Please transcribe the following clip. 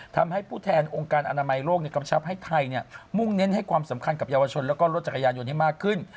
ทำให้ผู้แทนองค์การอนามัยโลกกำชับให้ไทยมุ่งเน้นให้ความสำคัญกับเยาวชนแล้วก็รถจักรยานยนต์ให้มากขึ้น